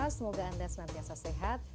semoga anda semangatnya sesehat